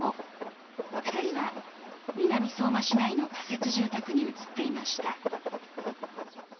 ２人は南相馬市内の仮設住宅に移っていました。